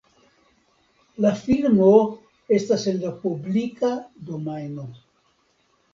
La filmo estas en la publika domajno.